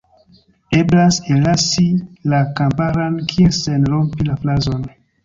Eblas ellasi la komparan kiel sen rompi la frazon.